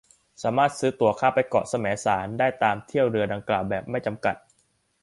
สามารถซื้อตั๋วข้ามไปเกาะแสมสารได้ตามเที่ยวเรือดังกล่าวแบบไม่จำกัด